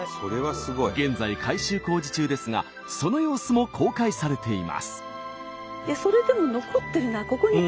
現在改修工事中ですがその様子も公開されています。